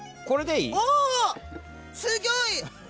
これでいい？